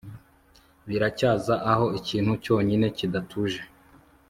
biracyaza aho, ikintu cyonyine kidatuje